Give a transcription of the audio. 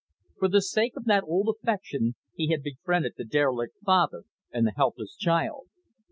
For the sake of that old affection, he had befriended the derelict father and the helpless child.